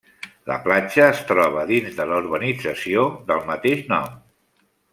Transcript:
La platja es troba dins de la urbanització del mateix nom.